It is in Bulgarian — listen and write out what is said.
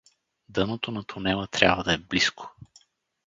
Дъното на тунела трябва да е близко.